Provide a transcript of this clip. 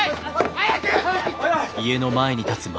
早く！